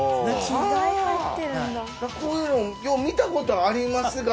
こういうのよう見たことありますが。